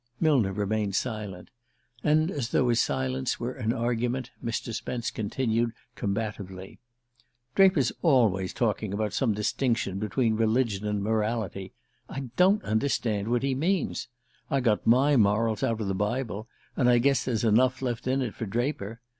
Millner remained silent; and, as though his silence were an argument, Mr. Spence continued combatively: "Draper's always talking about some distinction between religion and morality. I don't understand what he means. I got my morals out of the Bible, and I guess there's enough left in it for Draper.